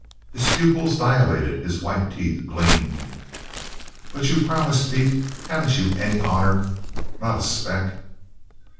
His pupils dilated, his white teeth gleamed. "But you promised, Pete! Haven't you any honor not a speck?"